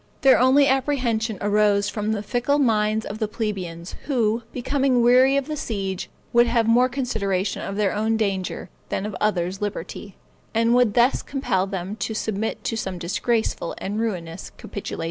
Their only apprehension arose from the fickle minds of the plebeians, who, becoming weary of the siege, would have more consideration of their own danger than of other's liberty, and would thus compel them to submit to some disgraceful and ruinous capitulation.